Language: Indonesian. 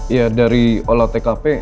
ya dari olah tkp